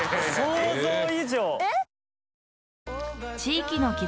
想像以上。